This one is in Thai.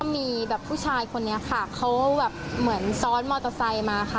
มีแบบผู้ชายคนนี้ค่ะเขาแบบเหมือนซ้อนมอเตอร์ไซค์มาค่ะ